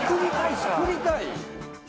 「作りたい」か。